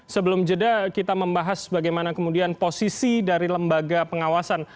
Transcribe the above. sebelum jeda kita membahas bagaimana kemudian posisi dari lembaga pengawasan